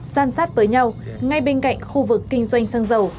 san sát với nhau ngay bên cạnh khu vực kinh doanh xăng dầu